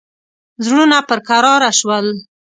زړونه پر کراره شول.